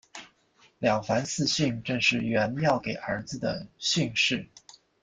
了凡四训正是袁要给儿子的训示。